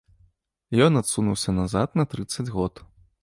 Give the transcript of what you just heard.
Ён адсунуўся назад на трыццаць год.